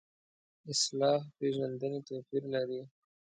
اصطلاح پېژندنې توپیر لري.